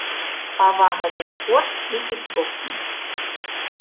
Павага за спорт і кікбоксінг.